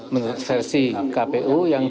menurut versi kpu yang